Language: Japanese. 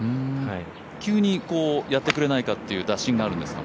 急にやってくれないかっていう打診があるんですか？